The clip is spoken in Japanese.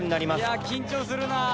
いや緊張するなぁ。